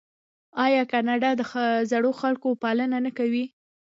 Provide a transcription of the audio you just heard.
آیا کاناډا د زړو خلکو پالنه نه کوي؟